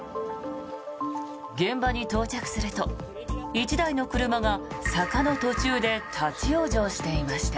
現場に到着すると１台の車が坂の途中で立ち往生していました。